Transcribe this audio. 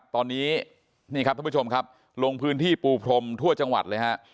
ตอนนี้ลงพื้นที่ปู่พรมทั่วจังหวัดเลย